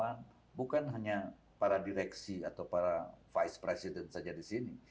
karena bukan hanya para direksi atau para vice president saja di sini